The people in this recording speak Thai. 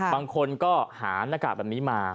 บางคนก็หาหน้ากากแบบนี้มา